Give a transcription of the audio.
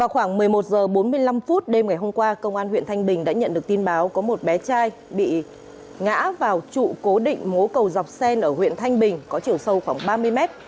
khoảng một mươi một h bốn mươi năm đêm ngày hôm qua công an huyện thanh bình đã nhận được tin báo có một bé trai bị ngã vào trụ cố định mố cầu dọc xen ở huyện thanh bình có chiều sâu khoảng ba mươi mét